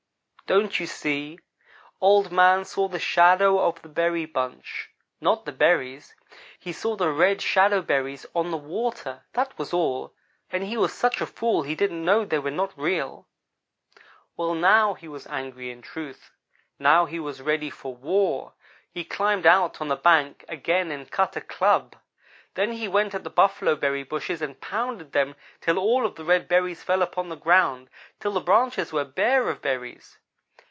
Don't you see? Old man saw the shadow of the berry bunch; not the berries. He saw the red shadow berries on the water; that was all, and he was such a fool he didn't know they were not real. "Well, now he was angry in truth. Now he was ready for war. He climbed out on the bank again and cut a club. Then he went at the buffalo berry bushes and pounded them till all of the red berries fell upon the ground till the branches were bare of berries.